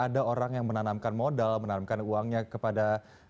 ada orang yang menanamkan modal menanamkan uangnya kepada